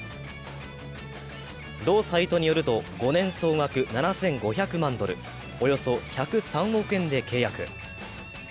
同サイトによると、５年総額７５００万ドル、およそ１０３億円で契約。